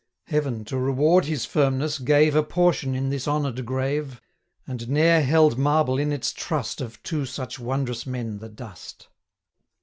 Heaven, to reward his firmness, gave A portion in this honour'd grave, And ne'er held marble in its trust Of two such wondrous men the dust.